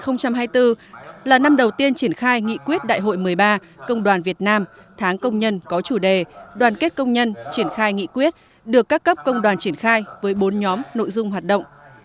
năm hai nghìn hai mươi bốn là năm đầu tiên triển khai nghị quyết đại hội một mươi ba công đoàn việt nam tháng công nhân có chủ đề đoàn kết công nhân triển khai nghị quyết được các cấp công đoàn triển khai với bốn nhóm nội dung hoạt động